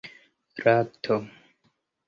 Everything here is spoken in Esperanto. lakto